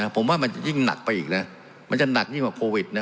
ผมว่ามันจะยิ่งหนักไปอีกนะมันจะหนักยิ่งกว่าโควิดนะ